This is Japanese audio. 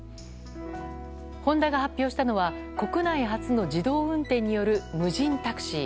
ホンダが発表したのは国内初の自動運転による無人タクシー。